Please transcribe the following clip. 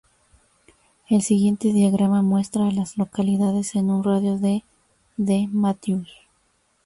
El siguiente diagrama muestra a las localidades en un radio de de Matthews.